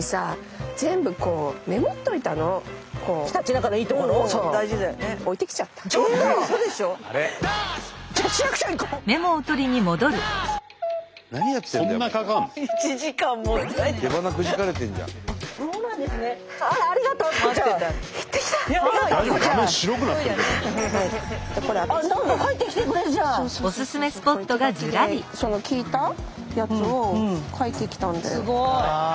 手書きで聞いたやつを書いてきたんだよ。